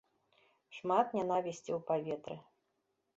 Шмат нянавісці ў паветры.